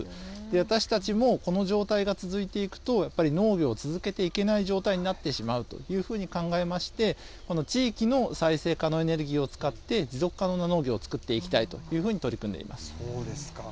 私たちもこの状態が続いていくと、やっぱり農業を続けていけない状態になってしまうというふうに考えまして、この地域の再生可能エネルギーを使って、持続可能な農業を作っていきたいというふうにそうですか。